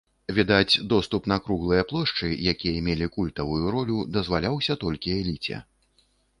Відаць, доступ на круглыя плошчы, якія мелі культавую ролю, дазваляўся толькі эліце.